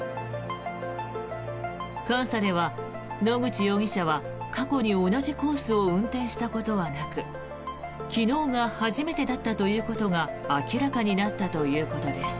監査では、野口容疑者は過去に同じコースを運転したことはなく昨日が初めてだったということが明らかになったということです。